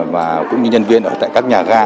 và cũng như nhân viên ở tại các nhà ga